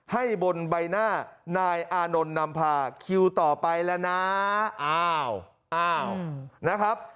ให้บนใบหน้านายอานนท์นำพาคิวต่อไปแล้วนะอ้าวอ้าวนะครับ